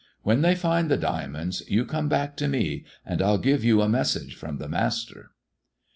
" When they find the diamonds, you come back to me, and 111 gi^e you a message from the master."